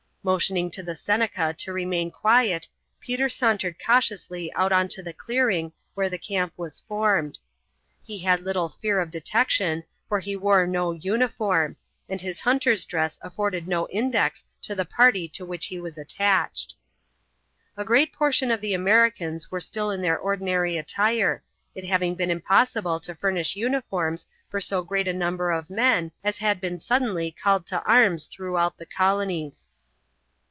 Motioning to the Seneca to remain quiet, Peter sauntered cautiously out on to the clearing where the camp was formed. He had little fear of detection, for he wore no uniform, and his hunter's dress afforded no index to the party to which he was attached. A great portion of the Americans were still in their ordinary attire, it having been impossible to furnish uniforms for so great a number of men as had been suddenly called to arms throughout the colonies.